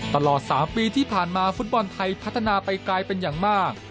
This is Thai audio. ตลอด๓ปีที่ผ่านมาฟุตบอลไทยพัฒนาไปไกลเป็นอย่างมาก